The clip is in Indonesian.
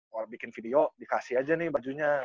awal bikin video dikasih aja nih bajunya